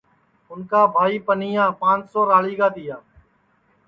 اُن کا بھائی پنیا پانسو راݪی گا تیا